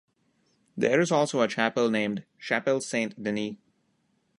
There is also a chapel named Chapel Saint Denis.